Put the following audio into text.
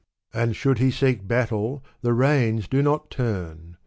And should he seek battle, the reins do not turn